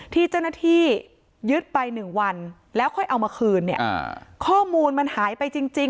ที่เจ้าหน้าที่ยึดไปหนึ่งวันแล้วค่อยเอามาคืนเนี่ยข้อมูลมันหายไปจริงจริง